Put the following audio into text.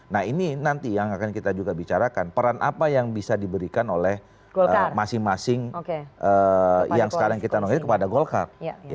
nah ini nanti yang akan kita juga bicarakan peran apa yang bisa diberikan oleh masing masing yang sekarang kita nongkinkan kepada golkar